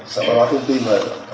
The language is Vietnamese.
sẽ có loại thông tin